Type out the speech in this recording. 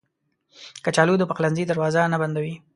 کچالو د پخلنځي دروازه نه بندوي